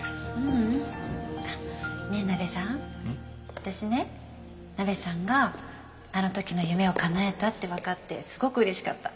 私ねナベさんがあの時の夢を叶えたってわかってすごく嬉しかった。